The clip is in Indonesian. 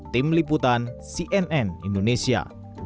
tim liputan cnn indonesia